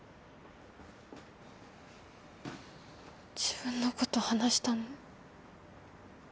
自分のこと話したの。